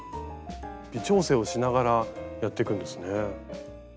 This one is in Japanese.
微調整をしながらやっていくんですね。